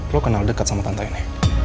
lo kenal dekat sama tante ini